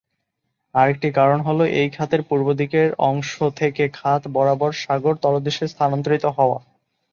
আরেকটি কারণ হলো এই খাতের পূর্বদিকের অংশ থেকে খাত বরাবর সাগর তলদেশ স্থানান্তরিত হওয়া।